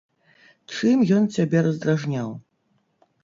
Чым ён цябе раздражняў?